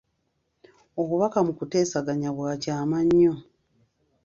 Obubaka mu kuteesaganya bwa kyama nnyo.